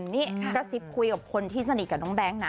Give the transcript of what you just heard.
นี่กระซิบคุยกับคนที่สนิทกับน้องแบงค์นะ